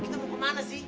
kita mau kemana sih